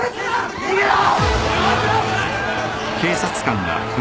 逃げろ！